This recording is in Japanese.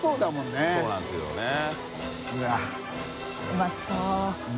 うまそう！